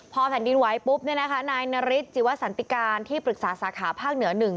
พอแผ่นดินไหวปุ๊บเนี่ยนะคะนายนาริสจิวสันติการที่ปรึกษาสาขาภาคเหนือ๑